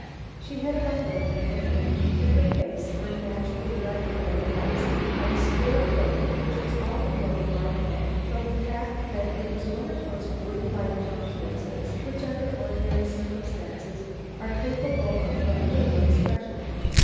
She had a bundle in her hand, and her face, unnaturally ruddy though it was, had a scared look which was all the more remarkable from the fact that it was one of those wooden like countenances which under ordinary circumstances are capable of but little expression.